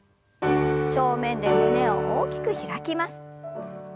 正面で胸を大きく開きます。